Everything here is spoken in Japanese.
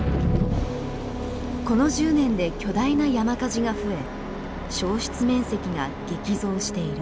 この１０年で巨大な山火事が増え焼失面積が激増している。